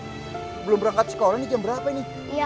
sebelum mistress misalkan yang saja enggak punya jadulnya